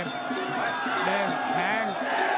เด่มแทง